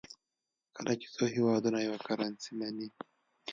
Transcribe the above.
کله چې څو هېوادونه یوه کرنسي مني.